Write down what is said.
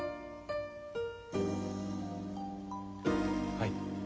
はい。